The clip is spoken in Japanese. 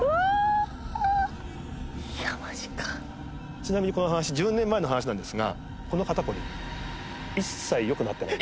ちなみにこの話１０年前の話なんですがこの肩こり一切良くなってない。